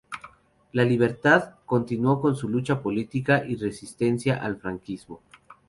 En libertad, continuó con su lucha política y de resistencia al franquismo.